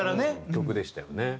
曲でしたよね。